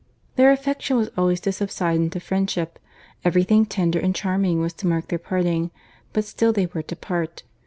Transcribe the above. Their affection was always to subside into friendship. Every thing tender and charming was to mark their parting; but still they were to part.